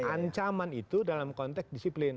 ancaman itu dalam konteks disiplin